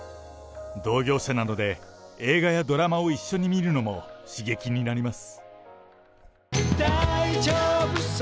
同業者なので、映画やドラマを一緒に見るのも刺激になります。